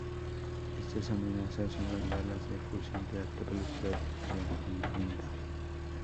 Estas amenazas son las balas de fusil de alta velocidad y antiblindaje.